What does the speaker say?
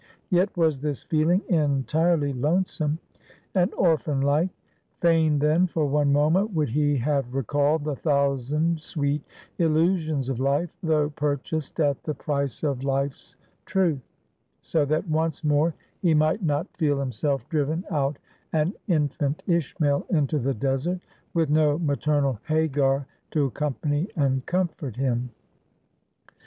Yet was this feeling entirely lonesome, and orphan like. Fain, then, for one moment, would he have recalled the thousand sweet illusions of Life; tho' purchased at the price of Life's Truth; so that once more he might not feel himself driven out an infant Ishmael into the desert, with no maternal Hagar to accompany and comfort him.